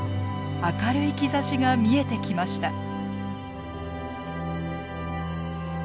明るい兆しが見えてきました。